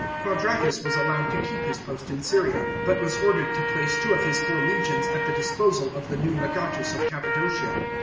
Quadratus was allowed to keep his post in Syria, but was ordered to place two of his four legions at the disposal of the new legatus of Cappadocia.